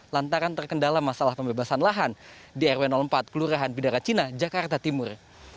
lantaran terkendala masalah pembebasan lahan di rw empat kelurahan bidara cina jakarta timur